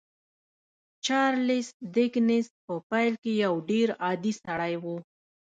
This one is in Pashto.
چارلیس ډیکنز په پیل کې یو ډېر عادي سړی و